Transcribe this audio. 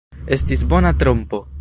Estis bona trompo!